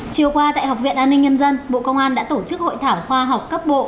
chiều qua tại học viện an ninh nhân dân bộ công an đã tổ chức hội thảo khoa học cấp bộ